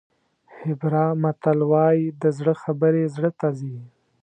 هیبرا متل وایي د زړه خبرې زړه ته ځي.